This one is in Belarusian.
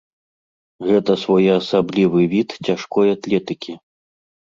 Гэта своеасаблівы від цяжкой атлетыкі.